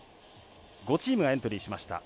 ５チームがエントリーしました。